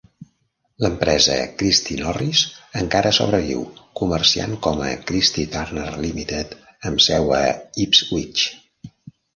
L'empresa Christy Norris encara sobreviu, comerciant com a Christy Turner Limited amb seu a Ipswich.